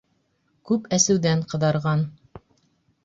Күп әсеүҙән ҡыҙарған.